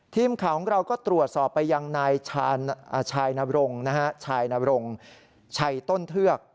ทีมข่าวของเราก็ตรวจสอบไปยังนายชายนรงนะฮะชายนรงชัยต้นเทือก